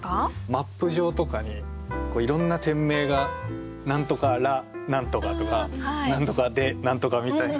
マップ上とかにいろんな店名が「なんとか・ラ・なんとか」とか「なんとか・デ・なんとか」みたいな。